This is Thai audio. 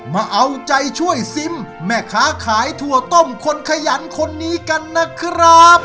มาเอาใจช่วยซิมแม่ค้าขายถั่วต้มคนขยันคนนี้กันนะครับ